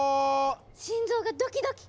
心臓がドキドキ！